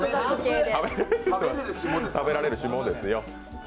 食べられる霜ですよ。